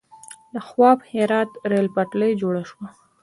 د خواف هرات ریل پټلۍ جوړه شوه.